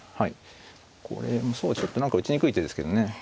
これもちょっと何か打ちにくい手ですけどね。